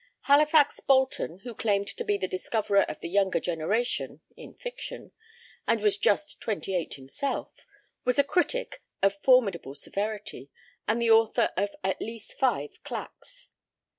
Halifax Bolton, who claimed to be the discoverer of the Younger Generation (in fiction) and was just twenty eight himself, was a critic of formidable severity and the author of at least five claques.